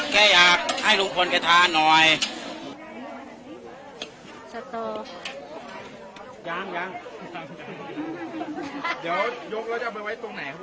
แค่อยากให้ลุงพลแกทานหน่อยสตอยังยังยังเดี๋ยวยกแล้วจะเอาไปไว้ตรงไหนครับ